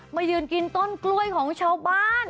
มายืนกินต้นกล้วยของชาวบ้าน